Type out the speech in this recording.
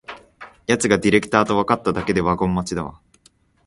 やつがディレクターとわかっただけでワゴン待ちだわ